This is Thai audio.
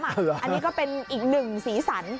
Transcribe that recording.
อันนี้ก็เป็นอีกหนึ่งสีสัน